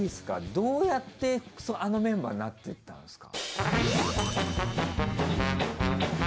どうやってあのメンバーになっていったんですか？